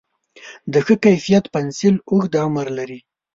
د ښه کیفیت پنسل اوږد عمر لري.